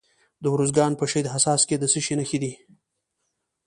د ارزګان په شهید حساس کې د څه شي نښې دي؟